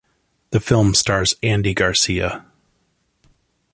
The film stars Adam Garcia.